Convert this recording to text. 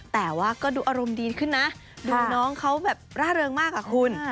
แต่ว่าก็ดูอารมณ์ดีขึ้นนะดูน้องเขาแบบร่าเริงมากอะคุณ